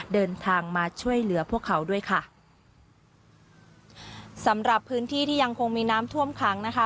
เดินทางมาช่วยเหลือพวกเขาด้วยค่ะสำหรับพื้นที่ที่ยังคงมีน้ำท่วมขังนะคะ